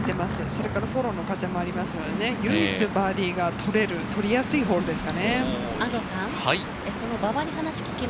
それからフォローの風もありますので、唯一、バーディーが取れる、取りやすいホールですかね。